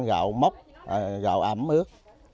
gạo mốc gạo ẩm ướt